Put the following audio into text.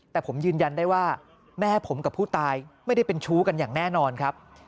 แต่ผมยืนยันได้ว่าแม่ผมกับผู้ตายไม่ได้เป็นชู้กันอย่างแน่นอนครับ